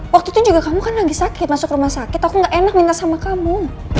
waktu itu juga kamu kan lagi sakit masuk rumah sakit aku gak enak minta sama kamu